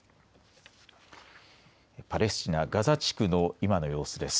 パレスチナ、ガザ地区の今の様子です。